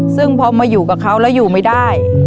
ซึ่งพอมาอยู่กับเขาแล้วอยู่ไม่ได้